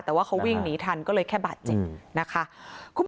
แต่ว่าเขาวิ่งหนีทันก็เลยแค่บาดเจ็บนะคะ